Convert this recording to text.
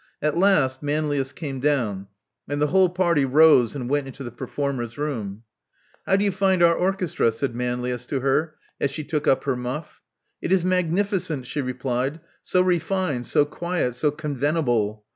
At last Manlius came down; and the whole party rose and went into the performers' room, Howdoyou find our orchestra?" said Manlius to her as she took up her muff. It is magnificent, she replied. So refined, so quiet, so convenable!